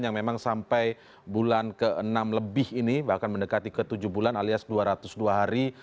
yang memang sampai bulan ke enam lebih ini bahkan mendekati ke tujuh bulan alias dua ratus dua hari